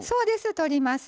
とります。